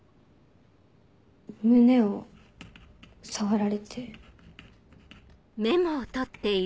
胸を触られて。